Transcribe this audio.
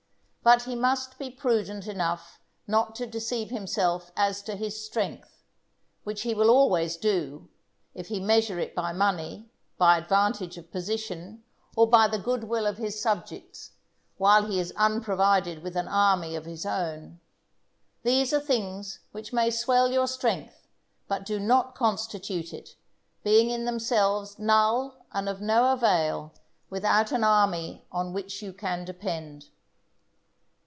But he must be prudent enough not to deceive himself as to his strength, which he will always do, if he measure it by money, by advantage of position, or by the good will of his subjects, while he is unprovided with an army of his own. These are things which may swell your strength but do not constitute it, being in themselves null and of no avail without an army on which you can depend.